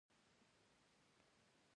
د باد اواز د دوی زړونه ارامه او خوښ کړل.